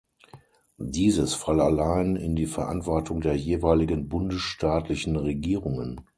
Dieses falle allein in die Verantwortung der jeweiligen bundesstaatlichen Regierungen.